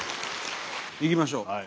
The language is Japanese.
いきましょう。